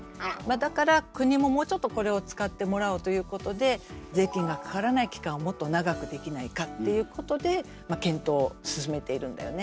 だから国ももうちょっとこれを使ってもらおうということで税金がかからない期間をもっと長くできないかっていうことでまあ検討を進めているんだよね。